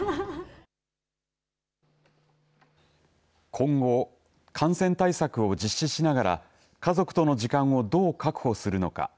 今後、感染対策を実施しながら家族との時間をどう確保するのか。